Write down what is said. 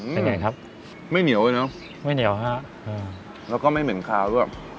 เป็นไงครับไม่เหนียวเลยเนอะไม่เหนียวฮะแล้วก็ไม่เหม็นคาวด้วย